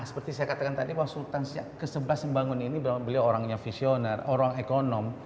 seperti saya katakan tadi bahwa sultan ke sebelas yang membangun ini beliau orangnya visioner orang ekonom